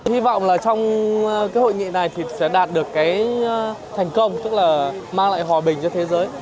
hy vọng là trong cái hội nghị này thì sẽ đạt được cái thành công tức là mang lại hòa bình cho thế giới